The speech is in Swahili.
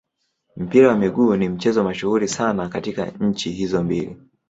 Mpira wa miguu ni mchezo mashuhuri sana katika nchi hizo mbili.